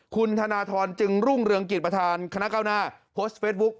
คุณธนทรจึงรุ่งเรืองกิจประธานคณะเก้าหน้าโพสต์เฟสบุ๊ค